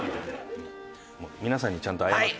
皆さんにちゃんと謝って。